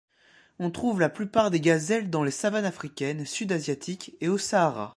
On trouve la plupart des gazelles dans les savanes africaines, sud-asiatiques et au Sahara.